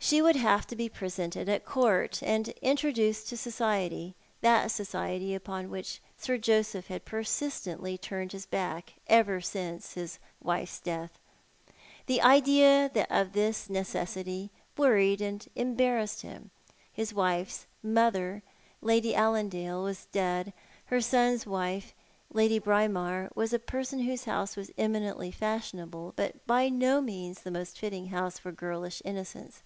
She would have to be presented at Court, and introduced to society, that society upon which Sir Joseph had persistently turned his back ever since his wife's death. The idea of this necessity worried and embarrassed him. His wife's mother, Lady Allaudale, was dead, and her son's wife. Lady Braemar, was a person whose house was eminently fashionable, but by no means the most fitting house for girlish innocence.